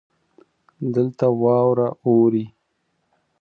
دلته واوره اوري.